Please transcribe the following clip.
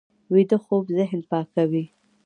ویده خوب ذهن پاکوي